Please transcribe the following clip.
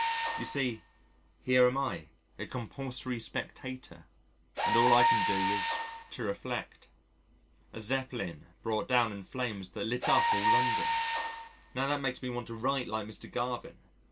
You see, here am I, a compulsory spectator, and all I can do is to reflect. A Zeppelin brought down in flames that lit up all London now that makes me want to write like Mr. Garvin.